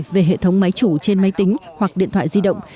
về hệ thống máy chủ trên máy tính hoặc điện thoại di động